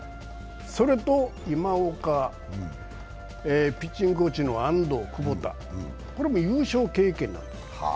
それと、今岡、ピッチングコーチの安藤、これも優勝経験があるんです。